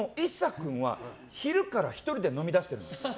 君は昼から１人で飲みだしてるの。